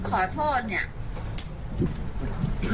ขอโทษนี่